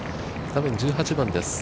画面１８番です。